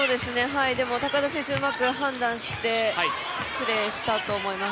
高田選手、うまく判断してプレーしたと思います。